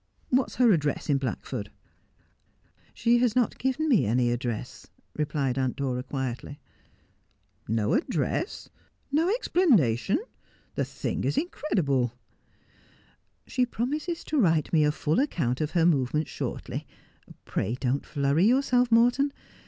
' What is her address in Blackford ?' 'She has not given me any address,' replied Aunt Dora quietly. ' No address — no explanation ! The thing is incredible.' ' She promises to write me a full account of her movements shortly. Pray don't flurry yourself, Morton.